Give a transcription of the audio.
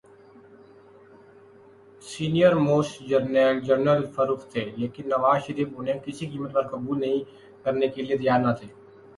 Senior most جرنیل general Farrukh تھے‘ لیکن نواز شریف انہیں کسی قیمت پر قبول کرنے کیلئے تیار نہ تھے۔